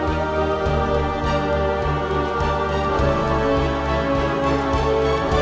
aku masih menempatkan artic crosses